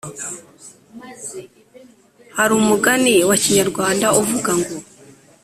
hari umugani wa kinyarwanda uvuga ngo